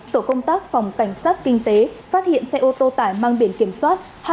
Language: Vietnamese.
tổ công tác phòng cảnh sát kinh tế phát hiện xe ô tô tải mang biển kiểm soát